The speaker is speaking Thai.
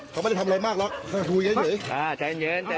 เน็ตไม่ได้ทำอะไรมากหรอกสายเป็นอะไรเย็นใจ๗๒๐